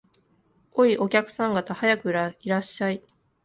おい、お客さん方、早くいらっしゃい